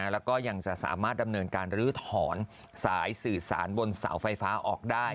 แล้วก็ยังจะสามารถดำเนินการลื้อถอนสายสื่อสารบนเสาไฟฟ้าออกได้